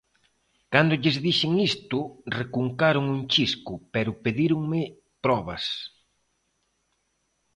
Cando lles dixen isto recuncaron un chisco pero pedíronme probas.